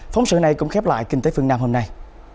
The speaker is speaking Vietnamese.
phóng sự này cũng khép lại kinh tế phương nam hôm nay